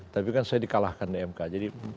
tapi kan saya di kalahkan di emk jadi